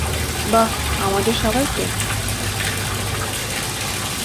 বা আমাদের সবাইকে?